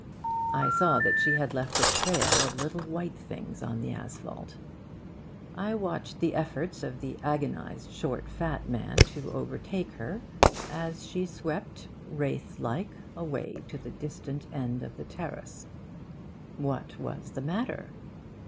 I saw that she had left a trail of little white things on the asphalt. I watched the efforts of the agonised short fat man to overtake her as she swept wraith like away to the distant end of the terrace. What was the matter?